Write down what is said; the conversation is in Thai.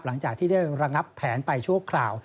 หลังจากที่ได้ระงับแผนไปชั่วคราว